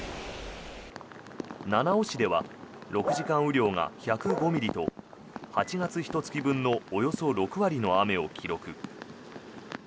七尾市では６時間雨量が１０５ミリと８月ひと月分のおよそ６割の雨を記録。